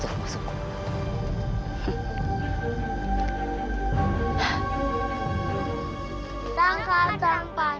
semua orang harus terima sungguh